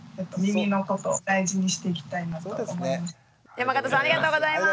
山形さんありがとうございます。